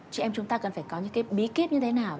chị em chúng ta cần phải có những bí kíp như thế nào